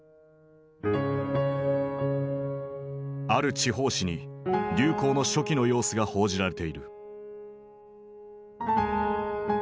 ある地方紙に流行の初期の様子が報じられている。